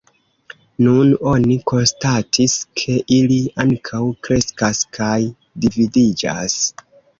Nun oni konstatis, ke ili ankaŭ kreskas kaj dividiĝas.